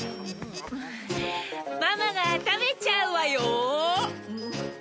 ママが食べちゃうわよ？